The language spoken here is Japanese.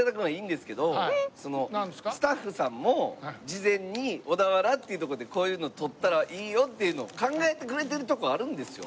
スタッフさんも事前に小田原っていう所でこういうの撮ったらいいよっていうのを考えてくれてるとこあるんですよ。